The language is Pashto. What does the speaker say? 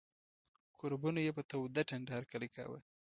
کوربنو یې په توده ټنډه هرکلی کاوه.